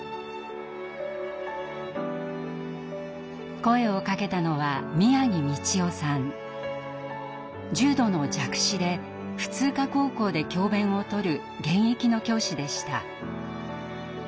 声をかけたのは重度の弱視で普通科高校で教べんをとる現役の教師でした。